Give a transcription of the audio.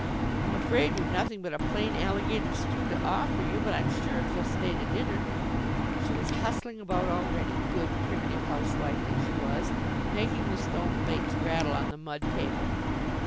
I'm afraid we've nothing but a plain alligator stew to offer you, but I'm sure if you'll stay to dinner " She was hustling about already, good primitive housewife that she was, making the stone plates rattle on the mud table.